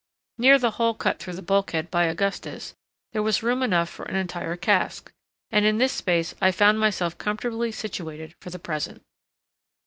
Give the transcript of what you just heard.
Near the hole cut through the bulkhead by Augustus there was room enough for an entire cask, and in this space I found myself comfortably situated for the present.